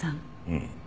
うん。